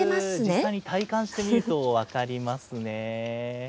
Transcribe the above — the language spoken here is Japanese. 実際に体感してみると分かりますね。